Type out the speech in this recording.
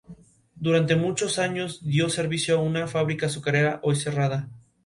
Era un rinoceronte sin cuernos.